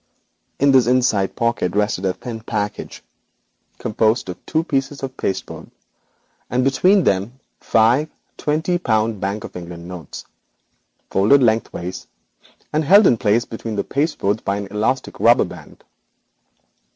In this inside pocket rested a thin package, composed of two pieces of cardboard, and between them rested five twenty pound Bank of England notes, folded lengthwise, held in place by an elastic rubber band.